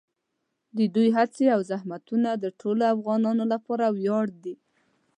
د دوی هڅې او زحمتونه د ټولو افغانانو لپاره ویاړ دي.